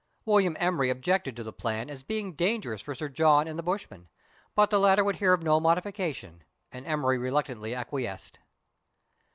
William Emery objected to the plan as being dangerous for Sir John and the bushman, but the latter would hear of no modification, and Emery reluctantly acquiesced.